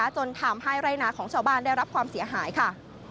จนทำให้ไร่นาของชาวบ้านได้รับความเสียหายค่ะ